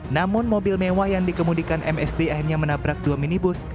namun mobil mewah yang dikemudikan msd akhirnya menabrak dua minibus